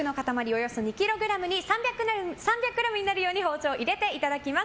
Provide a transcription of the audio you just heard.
およそ２ｋｇに３００ｇになるよう包丁を入れていただきます。